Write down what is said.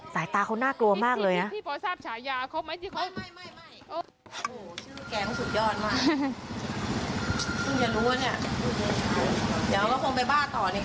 สายตาเขาน่ากลัวมากเลยนะ